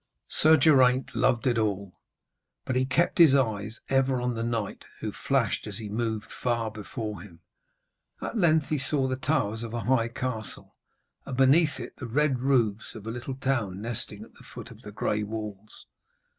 Sir Geraint loved it all, but he kept his eyes ever on the knight, who flashed as he moved far before him. At length he saw the towers of a high castle, and beneath it the red roofs of a little town nestling at the foot of the grey walls.